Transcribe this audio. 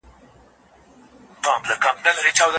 د معروف معاشرت هدف قَسْم دی.